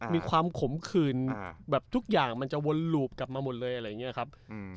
มีความขมขื่นแบบทุกอย่างมันจะวนหลูบกลับมาหมดเลยอะไรอย่างนี้ครับ